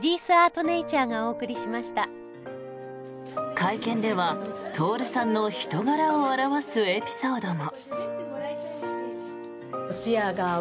会見では徹さんの人柄を表すエピソードも。